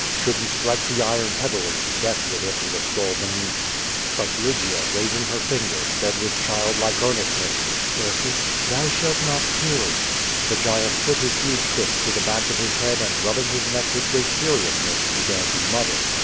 Should he strike the iron heavily, death would enter the skull beneath. But Lygia, raising her finger, said with child like earnest ness: "Ursus, thou shalt not kill." The giant put his huge fist to the back of his head and rubbing his neck with great seriousness, began to mutter.